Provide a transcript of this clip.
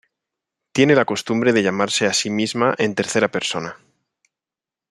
Tiene la costumbre de llamarse a sí misma en tercera persona.